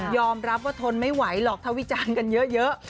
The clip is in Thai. รับว่าทนไม่ไหวหรอกถ้าวิจารณ์กันเยอะ